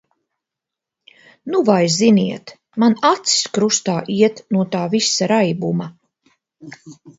Nu vai ziniet, man acis krustā iet no tā visa raibuma.